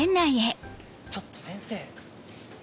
ちょっと先生。